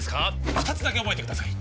二つだけ覚えてください